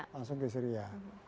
langsung ke syria